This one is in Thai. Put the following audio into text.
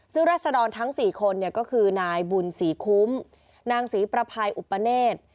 ซึ่งรัศดรทั้ง๔คนก็คือนายบุญศรีคุ้มนางศรีประภัยอุปเนธ